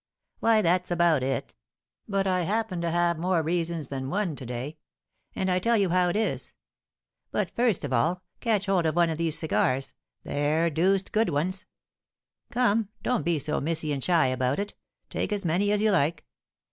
"Why, that's about it. But I happen to have more reasons than one to day; and I tell you how it is. But, first of all, catch hold of one of these cigars; they're deuced good ones. Come, don't be so missy and shy about it; take as many as you like.